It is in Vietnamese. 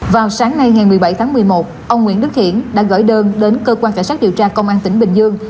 vào sáng nay ngày một mươi bảy tháng một mươi một ông nguyễn đức hiển đã gửi đơn đến cơ quan cảnh sát điều tra công an tỉnh bình dương